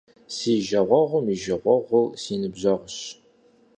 Си жагъуэгъум и жагъуэгъур - си ныбжьэгъущ.